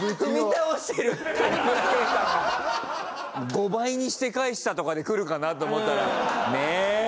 ５倍にして返したとかでくるかなと思ったら。